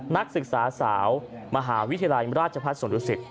นักศึกษาสาวมหาวิทยาลัยราชภาษณ์ส่วนลูกศิษย์